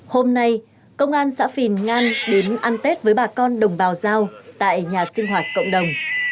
hôm nay công an xã phìn ngan đến ăn tết với bà con đồng bào giao tại nhà sinh hoạt cộng đồng